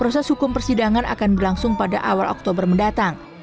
proses hukum persidangan akan berlangsung pada awal oktober mendatang